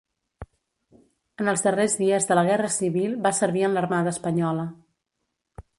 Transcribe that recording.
En els darrers dies de la guerra civil va servir en l'Armada Espanyola.